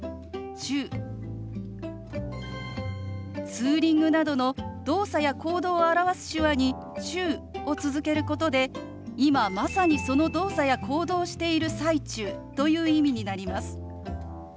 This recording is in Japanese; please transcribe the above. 「ツーリング」などの動作や行動を表す手話に「中」を続けることで今まさにその動作や行動をしている最中という意味になります。